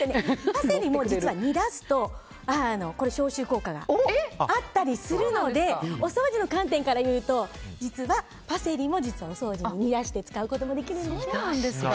パセリも実は煮出すと消臭効果があったりするのでお掃除の観点から言うとパセリも煮出してお掃除に使うことができるんです。